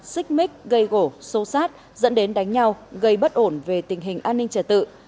xích mích gây gỗ xô xát dẫn đến đánh nhau gây bất ổn về tình hình an ninh trật tự